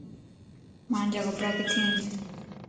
مانجا ڪپڙا ڪٿي ائين